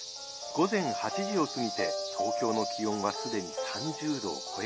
午前８時を過ぎて東京の気温は既に３０度を超えています。